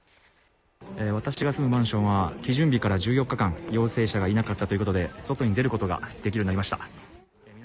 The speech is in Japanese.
私が住むマンションは基準日から１４日間、陽性者がいなかったということで外に出ることができるようになりました。